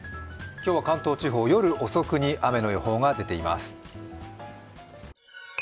今日は関東地方、夜遅くに雨の予報が出ています。